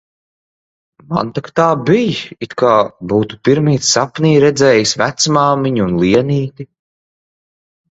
Man tak tā bij, it kā būtu pirmīt sapnī redzējis vecmāmiņu un Lienīti